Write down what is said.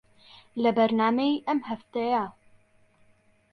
لە بەرنامەی ئەم هەفتەیە